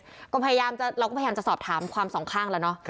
เราก็พยายามจะสอบถามความสองข้างแล้วนะ